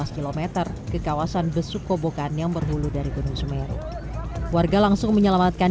km ke kawasan besukobokan yang berhulu dari gunung sumeru warga langsung menyelamatkan